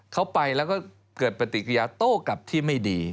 เขาไปแล้วก็เกิดปฏิกิริยาโต้กลับที่ไม่ดี